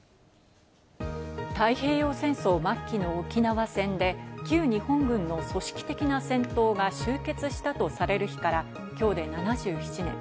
太平洋戦争末期の沖縄戦で旧日本軍の組織的な戦闘が終結したとされる日から今日で７７年。